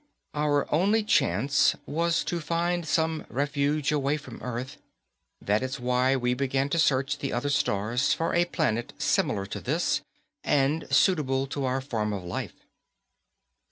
Our only chance was to find some refuge away from Earth. That is why we began to search the other stars for a planet similar to this and suitable to our form of life.